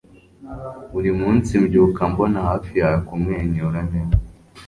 buri munsi mbyuka mbona hafi yawe kumwenyura neza